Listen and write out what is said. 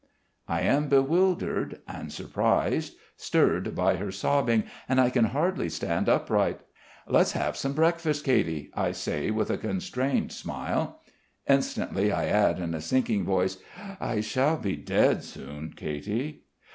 I am bewildered and surprised, stirred by her sobbing, and I can hardly stand upright. "Let's have some breakfast, Katy," I say with a constrained smile. Instantly I add in a sinking voice: "I shall be dead soon, Katy...."